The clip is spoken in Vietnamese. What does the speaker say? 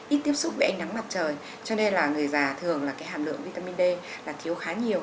ít tiếp xúc với ánh nắng mặt trời cho nên là người già thường là cái hàm lượng vitamin d là thiếu khá nhiều